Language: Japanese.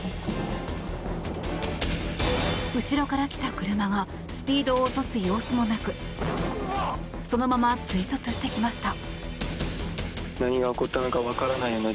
後ろから来た車がスピードを落とす様子もなくそのまま追突してきました。